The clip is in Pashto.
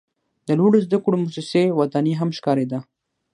د لوړو زده کړو موسسې ودانۍ هم ښکاریده.